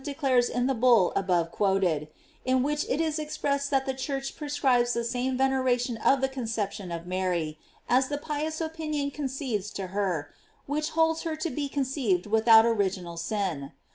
declares in the bull above quoted, in which it is expressed that the Church prescribes the same veneration for the conception of Mary, as the pious opinion concedes to her, which holds her to be conceived without original sin.